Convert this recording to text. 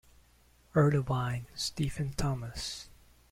Erlewine, Stephen Thomas.